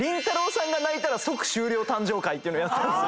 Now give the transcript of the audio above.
さん泣いたら即終了誕生会っていうのやったんです。